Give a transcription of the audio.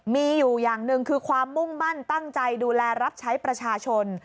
มีอยู่อย่างหนึ่งคือความมุ่งมั่นตั้งใจดูแลรับใช้ประชาชน